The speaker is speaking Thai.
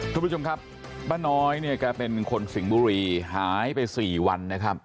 คุณผู้ชมครับป้าน้อยเนี่ยแกเป็นคนสิงห์บุรีหายไปสี่วันนะครับ